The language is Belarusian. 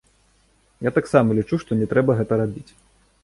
Я таксама лічу, што не трэба гэта рабіць.